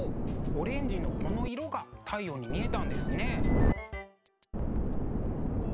オレンジのこの色が太陽に見えたんですね。